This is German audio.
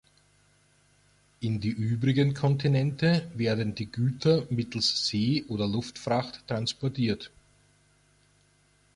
In die übrigen Kontinente werden die Güter mittels See- oder Luftfracht transportiert.